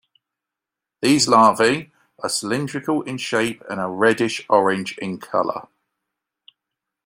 These larvae are cylindrical in shape and are reddish orange in color.